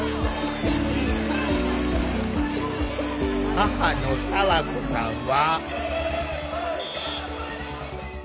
母の佐和子さんは。